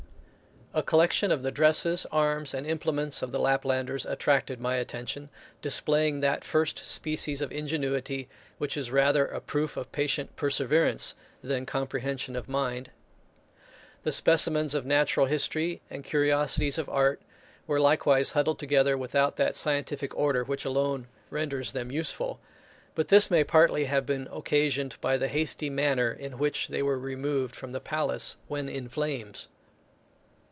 A collection of the dresses, arms, and implements of the Laplanders attracted my attention, displaying that first species of ingenuity which is rather a proof of patient perseverance, than comprehension of mind. The specimens of natural history, and curiosities of art, were likewise huddled together without that scientific order which alone renders them useful; but this may partly have been occasioned by the hasty manner in which they were removed from the palace when in flames.